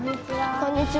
こんにちは。